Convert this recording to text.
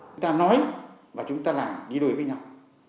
chúng ta nói và chúng ta làm đi đôi với nhau